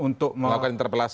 untuk melakukan interpelasi